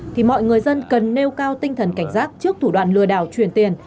thì mọi người dân cần nêu cao tinh thần cảnh giác trước thủ đoạn lừa đảo truyền tiền